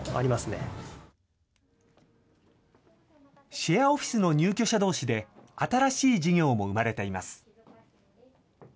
シェアオフィスの入居者どうしで、新しい事業も生まれています。